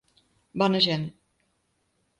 Bona gent.